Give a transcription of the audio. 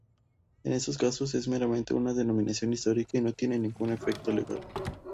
En estos casos es meramente una denominación histórica y no tiene ningún efecto legal.